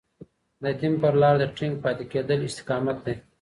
د دين پر لار د ټينګ پاتې کېدل استقامت دی.